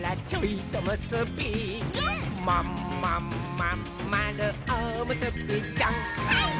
「まんまんまんまるおむすびちゃん」はいっ！